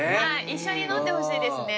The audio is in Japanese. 一緒に飲んでほしいですね。